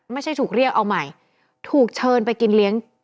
ไม่ใช่ถูกเรียกเอาใหม่ถูกเชิญไปกินเลี้ยง